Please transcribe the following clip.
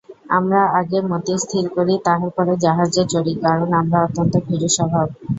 আমরা আগে মতি স্থির করি, তাহার পরে জাহাজে চড়ি–কারণ আমরা অত্যন্ত ভীরুস্বভাব।